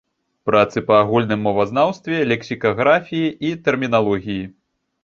Працы па агульным мовазнаўстве, лексікаграфіі і тэрміналогіі.